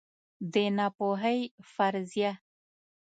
د ناپوهۍ فرضیه